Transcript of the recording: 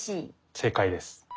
正解です。